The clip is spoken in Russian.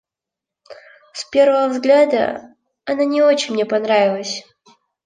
С первого взгляда она не очень мне понравилась.